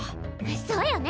そうよね！